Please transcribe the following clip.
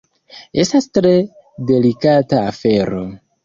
Estas tre delikata afero.